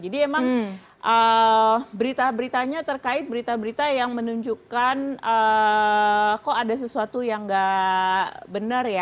jadi emang berita beritanya terkait berita berita yang menunjukkan kok ada sesuatu yang gak benar ya